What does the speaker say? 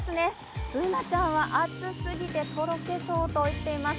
Ｂｏｏｎａちゃんは暑すぎてとろけそうと言っています。